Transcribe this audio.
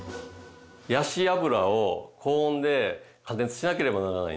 ヤシ油を高温で加熱しなければならないんですね。